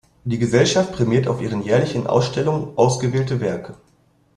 Die Gesellschaft prämiert auf ihren jährlichen Ausstellungen ausgewählte Werke.